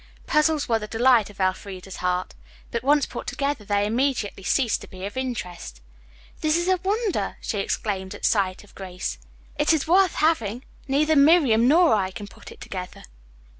Puzzles were the delight of Elfreda's heart. But, once put together, they immediately ceased to be of interest. "This is a wonder!" she exclaimed at sight of Grace. "It is worth having. Neither Miriam nor I can put it together."